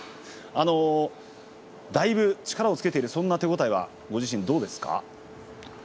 だいぶ力をつけているそんな手応えがご自身どうですか。